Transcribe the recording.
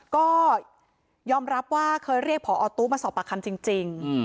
ก็ยอมรับว่าเคยเรียกผอตู้มาสอบปากคำจริง